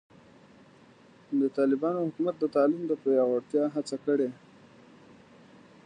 د طالبانو حکومت د تعلیم د پیاوړتیا هڅه کړې.